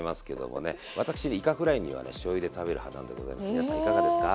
皆さんいかがですか？